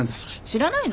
知らないの？